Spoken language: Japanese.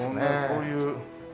こういう。